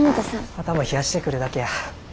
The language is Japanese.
頭冷やしてくるだけや。